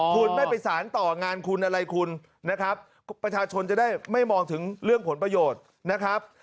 คุณไม่ไปสารต่องานคุณอะไรคุณนะครับประชาชนจะได้ไม่มองถึงเรื่องผลประโยชน์นะครับ